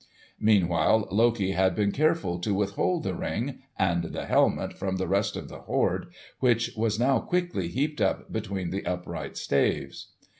Meanwhile Loki had been careful to withhold the Ring and the helmet from the rest of the hoard, which was now quickly heaped up between the upright staves.